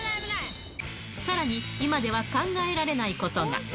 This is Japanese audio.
さらに、今では考えられないことが。